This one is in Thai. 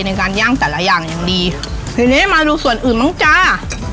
ในการย่างแต่ละอย่างอย่างดีทีนี้มาดูส่วนอื่นบ้างจ้า